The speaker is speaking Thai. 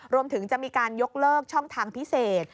รวมถึงจะมีการยกเลิกช่องทางพิเศษ